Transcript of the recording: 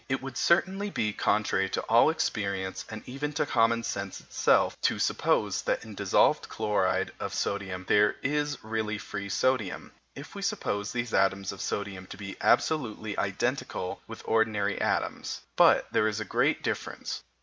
It would certainly be contrary to all experience, and even to common sense itself, to suppose that in dissolved chloride of sodium there is really free sodium, if we suppose these atoms of sodium to be absolutely identical with ordinary atoms. But there is a great difference.